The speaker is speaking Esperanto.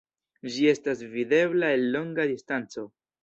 Ĝi estas videbla el longa distanco.